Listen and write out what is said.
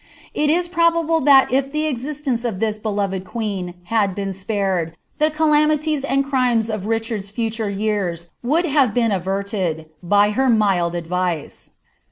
Ii ia probable ilmi if the exiitenct <^ dui k Inved queeQ had been ipared, the calamities uid crimes of ItidwA future yean would have been averted, by her milil advice.